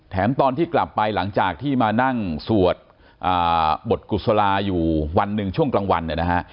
ตอนที่กลับไปหลังจากที่มานั่งสวดบทกุศลาอยู่วันหนึ่งช่วงกลางวันเนี่ยนะฮะ